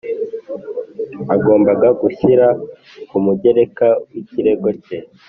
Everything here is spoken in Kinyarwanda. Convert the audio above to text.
Agomba gushyira ku mugereka w ikirego cye